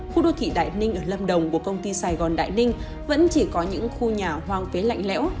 khu đô thị đại ninh ở lâm đồng của công ty sài gòn đại ninh vẫn chỉ có những khu nhà hoang phế lạnh lẽo